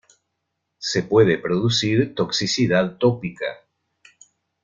Se puede producir toxicidad tópica.